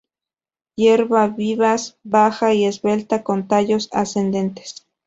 Hierba vivaz, baja y esbelta con tallos ascendentes.